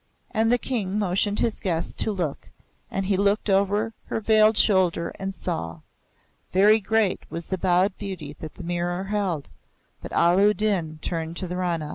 And the King motioned his guest to look, and he looked over her veiled shoulder and saw. Very great was the bowed beauty that the mirror held, but Allah u Din turned to the Rana.